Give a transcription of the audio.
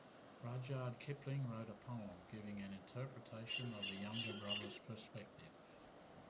Rudyard Kipling wrote a poem giving an interpretation of the younger brother's perspective.